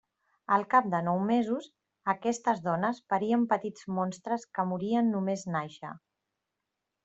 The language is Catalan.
Al cap de nou mesos aquestes dones parien petits monstres que morien només nàixer.